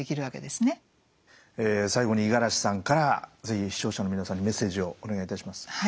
最後に五十嵐さんから是非視聴者の皆さんにメッセージをお願いいたします。